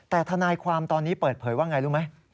แต่ทนายความตอนนี้เปิดเผยว่าไงรู้ไหม